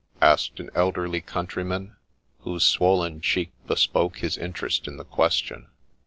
' asked an elderly countryman, whose swollen cheek bespoke his interest in the question.